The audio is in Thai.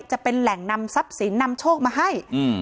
จะเป็นแหล่งนำทรัพย์สินนำโชคมาให้